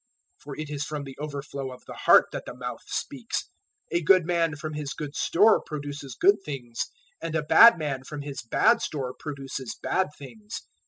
For it is from the overflow of the heart that the mouth speaks. 012:035 A good man from his good store produces good things, and a bad man from his bad store produces bad things.